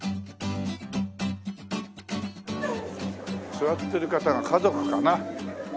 座ってる方が家族かな？